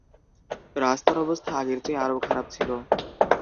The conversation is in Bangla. রাস্তার অবস্থা আগের চেয়ে আরও খারাপ ছিল।